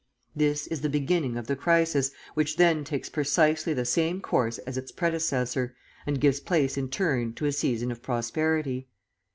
This is the beginning of the crisis, which then takes precisely the same course as its predecessor, and gives place in turn to a season of prosperity.